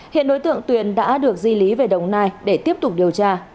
hiện đối tượng tuyền đã được di lý về đồng nai để tiếp tục điều tra